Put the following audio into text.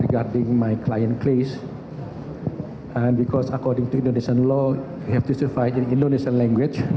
jadi akan diperbaca oleh penelitian